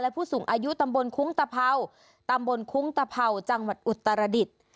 ผู้สูงอายุตำบลคุ้งตะเภาตำบลคุ้งตะเผาจังหวัดอุตรดิษฐ์